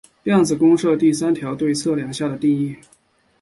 量子公设的第三条是对测量下的定义。